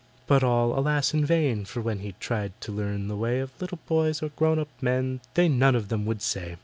But all, alas! in vain, for when He tried to learn the way Of little boys or grown up men, They none of them would say.